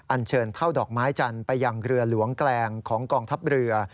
เชิญเท่าดอกไม้จันทร์ไปยังเรือหลวงแกลงของกองทัพเรือ